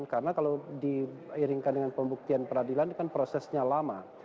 karena kalau diiringkan dengan pembuktian di peradilan itu kan prosesnya lama